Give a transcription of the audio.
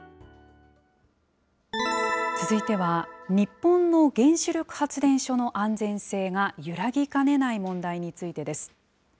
続いては、日本の原子力発電所の安全性が揺らぎかねない問題についてです。